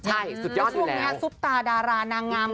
ใช่สุดยอดอยู่แล้วถูกต้องนะครับซุปตาดารานางงาม